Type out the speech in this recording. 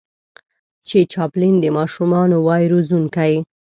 چې چاپلين د ماشومانو وای روزونکی